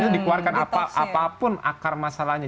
dikeluarkan apapun akar masalahnya